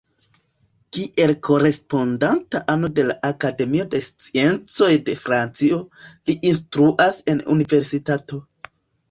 Kiel korespondanta ano de la Akademio de Sciencoj de Francio, li instruas en universitato.